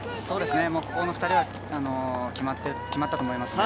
ここの２人は決まったと思いますね。